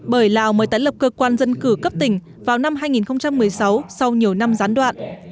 bởi lào mới tái lập cơ quan dân cử cấp tỉnh vào năm hai nghìn một mươi sáu sau nhiều năm gián đoạn